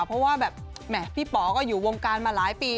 เพราะว่าแบบแหมพี่ป๋อก็อยู่วงการมาหลายปี